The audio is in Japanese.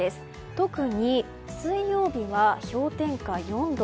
特に水曜日は氷点下４度。